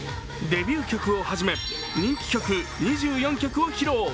デビュー曲をはじめ、人気曲２４曲を披露。